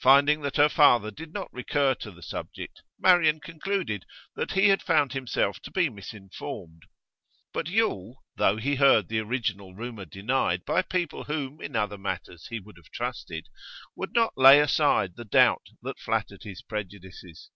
Finding that her father did not recur to the subject, Marian concluded that he had found himself to be misinformed. But Yule, though he heard the original rumour denied by people whom in other matters he would have trusted, would not lay aside the doubt that flattered his prejudices.